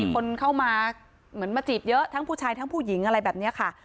คนเข้ามาเหมือนมาจีบเยอะทั้งผู้ชายทั้งผู้หญิงอะไรแบบนี้ค่ะ